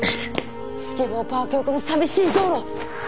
スケボーパーク横の寂しい道路。